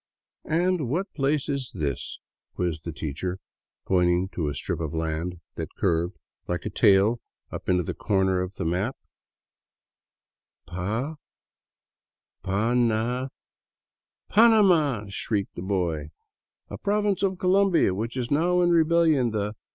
" And what place is this ?" quizzed the teacher, pointing to a strip of land that curved like a tail up into a corner of the map, " Pa — Pana— "" Panama " shrieked the boy, " A province of Colombia which is now in rebellion. The